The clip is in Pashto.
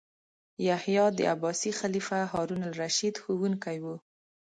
یحیی د عباسي خلیفه هارون الرشید ښوونکی و.